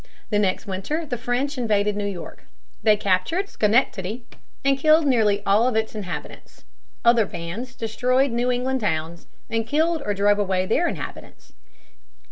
The next winter the French invaded New York. They captured Schenectady and killed nearly all the inhabitants. Other bands destroyed New England towns and killed or drove away their inhabitants.